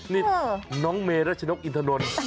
นี่น้องเมรัชนกอินทนนท์